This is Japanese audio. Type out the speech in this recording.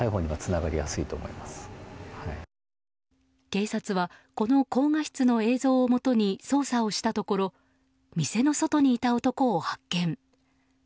警察はこの高画質の映像をもとに捜査をしたところ店の外にいた男を発見。